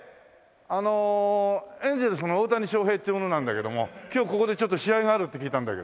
あのエンゼルスの大谷翔平っていう者なんだけども今日ここでちょっと試合があるって聞いたんだけど。